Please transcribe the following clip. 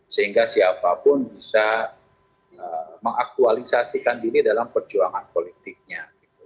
sehingga siapapun bisa mengaktualisasikan diri dalam perjuangan politiknya